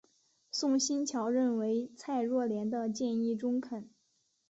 宋欣桥认为蔡若莲的建议中肯。